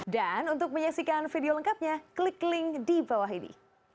dan untuk menyaksikan video lengkapnya klik link di bawah ini